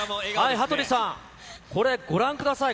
羽鳥さん、これご覧ください。